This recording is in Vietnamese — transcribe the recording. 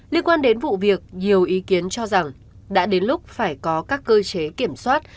liên quan đến vụ việc nhiều ý kiến cho rằng đã đến lúc phải có các cơ chế kiểm soát